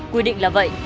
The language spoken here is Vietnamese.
quy định là vậy